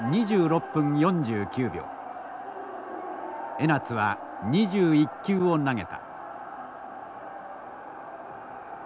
江夏は２１球を投げた。